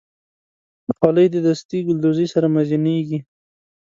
خولۍ د دستي ګلدوزۍ سره مزینېږي.